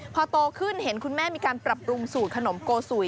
พอโตขึ้นเห็นคุณแม่มีการปรับปรุงสูตรขนมโกสุย